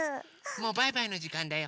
もうバイバイのじかんだよ。